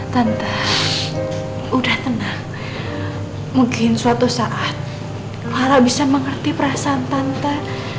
tante udah tenang mungkin suatu saat orang bisa mengerti perasaan tante